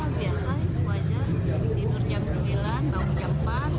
bangun jam empat